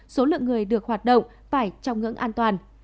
số lượng người được hoạt động phải trong ngưỡng an toàn